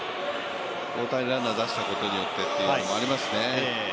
大谷をランナー出したことによってということもありますね。